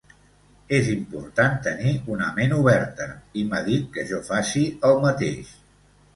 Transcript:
És important tenir una ment oberta, i m'ha dit que jo faci el mateix.